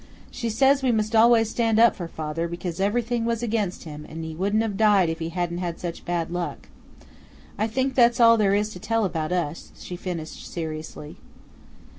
She says we must always stand up for father, because everything was against him, and he wouldn't have died if he hadn't had such bad luck. I think that's all there is to tell about us," she finished seriously.